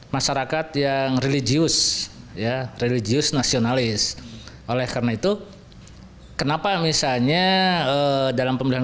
masyarakat yang religius ya religius nasionalis oleh karena itu kenapa misalnya dalam pemilihan